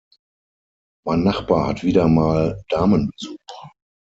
Mein Nachbar hat wieder mal Damenbesuch.